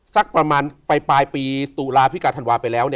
สักประมาณไปปลายปีตุลาพิกาธันวาไปแล้ว